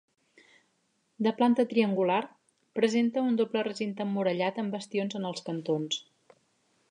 De planta triangular, presenta un doble recinte emmurallat amb bastions en els cantons.